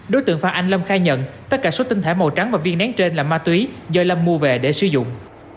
đối tượng phan anh lâm khai nhận tất cả số tinh thể màu trắng và viên nén trên là ma túy do lâm mua về để sử dụng